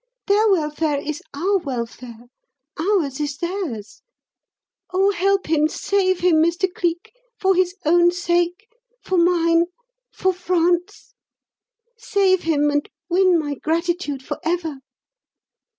Their welfare is our welfare, ours is theirs. Oh, help him, save him, Mr. Cleek for his own sake for mine for France. Save him, and win my gratitude for ever!"